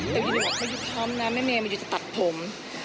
แต่พี่หนูอะไม่อยู่พร้อมนะแม่เมมายูจะตัดผม